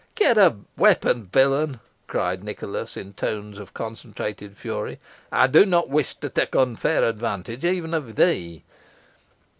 "Get a weapon, villain," cried Nicholas, in tones of concentrated fury. "I do not wish to take unfair advantage, even of thee."